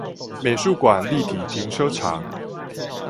美術館立體停車場